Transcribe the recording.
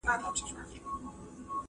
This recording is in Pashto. پر جهان یې غوړېدلی سلطنت وو !.